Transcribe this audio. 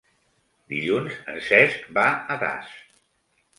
Dilluns en Cesc va a Das.